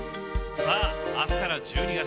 さあ、あすから１２月。